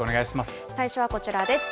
最初はこちらです。